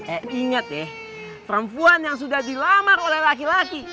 eh inget deh perempuan yang sudah dilamar oleh laki laki